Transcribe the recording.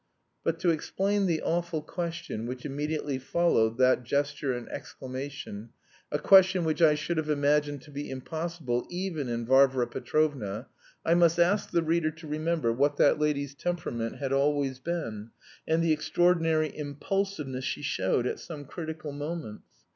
But to explain the awful question which immediately followed that gesture and exclamation a question which I should have imagined to be impossible even in Varvara Petrovna, I must ask the reader to remember what that lady's temperament had always been, and the extraordinary impulsiveness she showed at some critical moments.